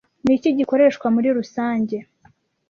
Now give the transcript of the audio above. ni iki gikoreshwa muri rusange